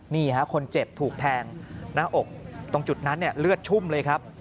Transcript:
นี่ฮะคนเจ็บถูกแทงหน้าอกตรงจุดนั้นเลือดชุ่มเลยครับ